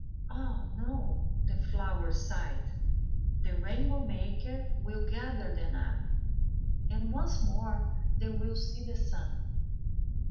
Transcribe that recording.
"Ah, no," the flowers sighed, "the rainbow maker will gather them up, and once more they will see the sun."